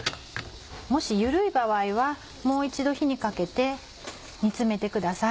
もし緩い場合はもう一度火にかけて煮詰めてください。